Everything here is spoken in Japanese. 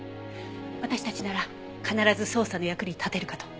私たちなら必ず捜査の役に立てるかと。